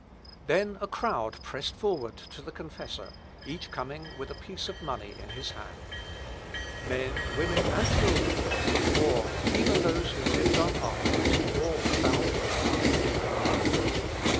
Then a crowd pressed forward to the confessor, each coming with a piece of money in his hand. Men, women, and children, the poor, even those who lived on alms, all found means of procuring money.